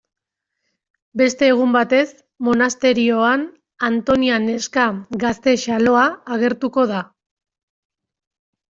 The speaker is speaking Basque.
Beste egun batez, monasterioan Antonia neska gazte xaloa agertuko da.